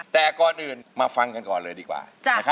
แต่ก่อนอื่นมาฟังกันก่อนเลยดีกว่า